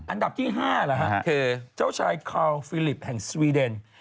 อันดับที่๕คือเจ้าชายคาร์ลฟิลิปแห่งสวีเดน